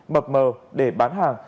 mập mờ để bán hàng